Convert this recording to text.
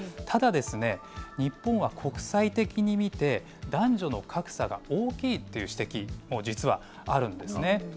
ただ、日本は、国際的に見て、男女の格差が大きいという指摘も実はあるんですね。